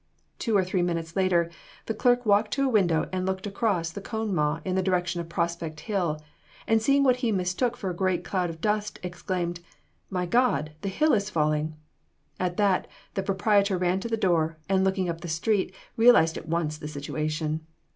Two or three minutes later, the clerk walked to the window, and looked across the Conemaugh in the direction of Prospect Hill, and seeing what he mistook for a great cloud of dust, exclaimed, "My God, the hill is falling!" At that, the proprietor ran to the door, and looking up the street, realized at once the situation.